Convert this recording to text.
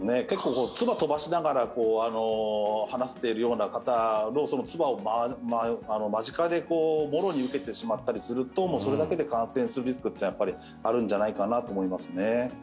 結構、つば飛ばしながら話しているような方のつばを間近でもろに受けてしまったりするとそれだけで感染するリスクはあるんじゃないかなと思います。